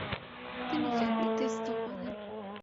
তিনি চাকরিতে ইস্তফা দেন।